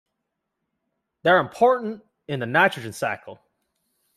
They are important in the nitrogen cycle.